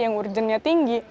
yang urgennya tinggi